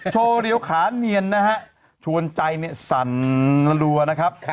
โชว์เรียวขาเนียนนะฮะชวนใจสั่นรัวนะครับ